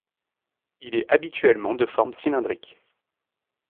Il est habituellement de forme cylindrique.